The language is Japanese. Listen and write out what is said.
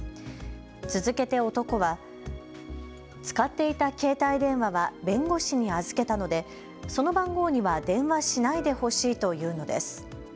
続けて男は使っていた携帯電話は弁護士に預けたのでその番号には電話しないでほしいと言うのです。